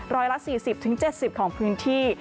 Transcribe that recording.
ร้อยละ๔๐๗๐ของพื้นที่